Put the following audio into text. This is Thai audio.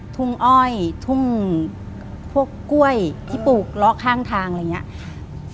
อ้อยทุ่งพวกกล้วยที่ปลูกเลาะข้างทางอะไรอย่างนี้